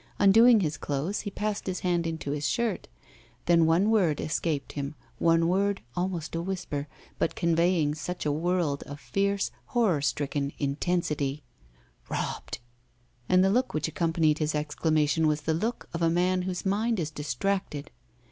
Undoing his clothes he passed his hand into his shirt. Then one word escaped him. One word almost a whisper but conveying such a world of fierce, horror stricken intensity "Robbed!" And the look which accompanied his exclamation was the look of a man whose mind is distracted.